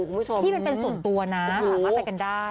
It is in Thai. ที่เป็นส่วนตัวนะถามว่าไกลได้